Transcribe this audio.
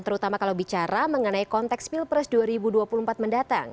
terutama kalau bicara mengenai konteks pilpres dua ribu dua puluh empat mendatang